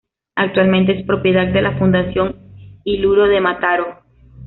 Actualmente es propiedad de la Fundació Iluro de Mataró.